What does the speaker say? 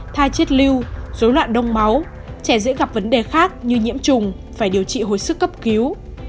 thai chết lưu dối loạn đông máu trẻ dễ gặp vấn đề khác như nhiễm trùng phải điều trị hồi sức cấp cứu